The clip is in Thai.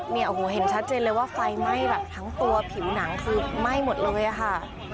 เนี่ยโอ้โหเห็นชัดเจนเลยว่าไฟไหม้แบบทั้งตัวผิวหนังคือไหม้หมดเลยอะค่ะ